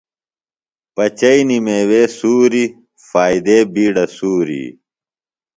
پچیئنیۡ میوے سُوری، فائدے بِیڈہ سُوری